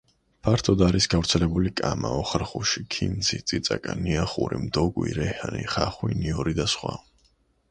ფართოდ არის გავრცელებული კამა, ოხრახუში, ქინძი, წიწაკა, ნიახური, მდოგვი, რეჰანი, ხახვი, ნიორი და სხვა.